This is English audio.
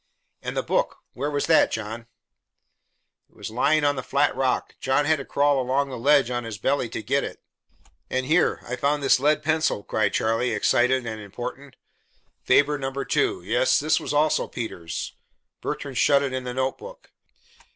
"And the book, where was that, John?" "It was lying on that flat rock. John had to crawl along the ledge on his belly to get it; and here, I found this lead pencil," cried Charlie, excited and important. "'Faber No. 2.' Yes, this was also Peter's." Bertrand shut it in the notebook.